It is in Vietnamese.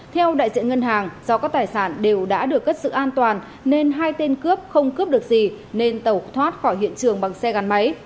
theo đại diện ngân hàng do các tài sản đều đã được cất giữ an toàn nên hai tên cướp không cướp được gì nên tàu thoát khỏi hiện trường bằng xe gắn máy